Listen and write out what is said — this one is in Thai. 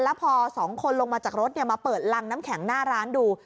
แล้วพอสองคนลงมาจากรถมาเปิดรังน้ำแข็งหน้าร้านดู